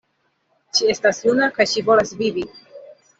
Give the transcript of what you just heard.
Ŝi estas juna kaj ŝi volas vivi!